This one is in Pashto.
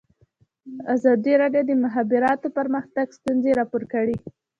ازادي راډیو د د مخابراتو پرمختګ ستونزې راپور کړي.